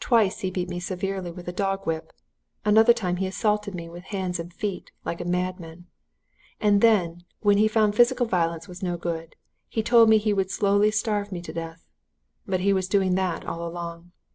Twice he beat me severely with a dog whip; another time he assaulted me with hands and feet, like a madman. And then, when he found physical violence was no good, he told me he would slowly starve me to death. But he was doing that all along.